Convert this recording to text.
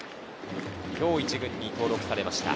今日１軍に登録されました。